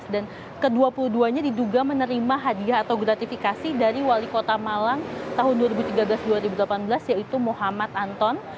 dan ke dua puluh dua nya diduga menerima hadiah atau gratifikasi dari wali kota malang tahun dua ribu tiga belas dua ribu delapan belas yaitu muhammad anton